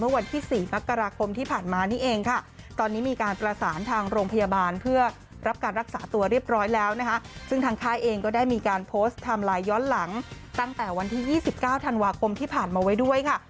ย้อนหลังตั้งแต่วันที่๒๙ธันวาคมที่ผ่านมาไว้ด้วยค่ะ